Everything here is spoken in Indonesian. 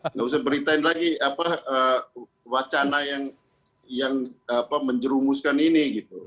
nggak usah beritain lagi wacana yang menjerumuskan ini